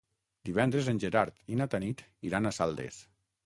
Divendres en Gerard i na Tanit iran a Saldes.